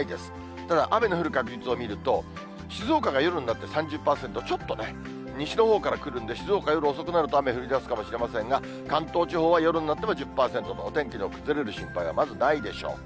ただ、雨の降る確率を見ると、静岡が夜になって３０％、ちょっとね、西のほうから来るんで、静岡、夜遅くなると雨降りだすかもしれませんが、関東地方は夜になっても、１０％と、お天気の崩れる心配はまずないでしょう。